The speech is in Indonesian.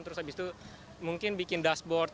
terus habis itu mungkin bikin dashboard